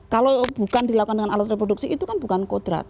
kalau bukan dilakukan dengan alat reproduksi itu kan bukan kodrat